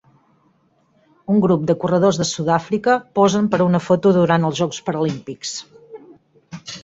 Un grup de corredors de Sud-àfrica posen per a una foto durant els jocs Paralímpics.